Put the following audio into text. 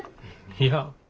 いや。